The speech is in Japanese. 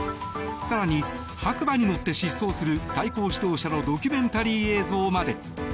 更に、白馬に乗って疾走する最高指導者のドキュメンタリー映像まで。